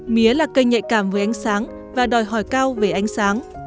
mía là cây nhạy cảm với ánh sáng và đòi hỏi cao về ánh sáng